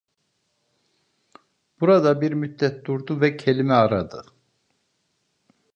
Burada bir müddet durdu ve kelime aradı.